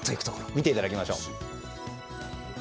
見ていただきましょう。